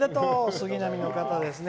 杉並の方ですね。